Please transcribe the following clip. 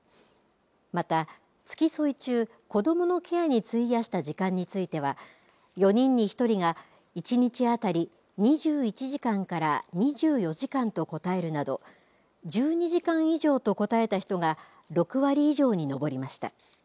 また、付き添い中子どものケアに費やした時間については４人に１人が、１日当たり２１時間から２４時間と答えるなど１２時間以上と答えた人が６割以上に上りました。